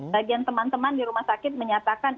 bagian teman teman di rumah sakit menyatakan